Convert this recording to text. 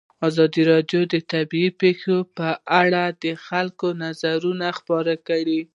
ازادي راډیو د طبیعي پېښې په اړه د خلکو نظرونه خپاره کړي.